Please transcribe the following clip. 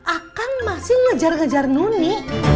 akan masih ngejar gejar noni